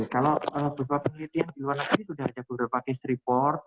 kalau berupa penelitian di luar negeri sudah ada guru pakai striptease